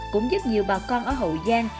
cũng giúp nhiều bà con ở hậu giang